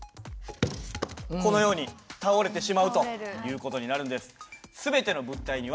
このように倒れてしまうという事になるんです。